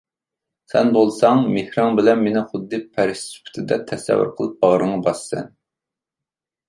سەن بولساڭ مېھرىڭ بىلەن مېنى خۇددى پەرىشتە سۈپىتىدە تەسەۋۋۇر قىلىپ باغرىڭغا باسىسەن.